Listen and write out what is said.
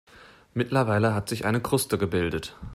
Mittlerweile hat sich eine Kruste gebildet.